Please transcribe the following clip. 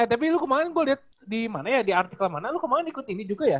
eh tapi lu kemaren gue liat di mana ya di artikel mana lu kemaren ikut ini juga ya